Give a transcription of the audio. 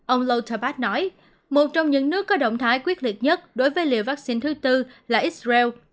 ông louterpat nói một trong những nước có động thái quyết liệt nhất đối với liều vaccine thứ tư là israel